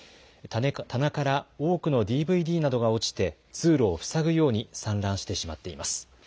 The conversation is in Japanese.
棚から多くのＤＶＤなどが落ちて、通路を塞ぐように散乱してしまっています。